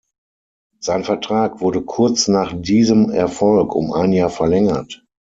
Sein Vertrag wurde kurz nach diesem Erfolg um ein Jahr verlängert.